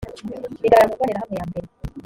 bigaragara mu mbonerahamwe yambere